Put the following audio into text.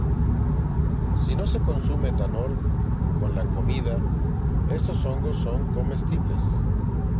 Si no se consume etanol con la comida, estos hongos son comestibles.